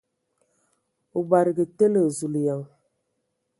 O badǝge tele ! Zulǝyaŋ!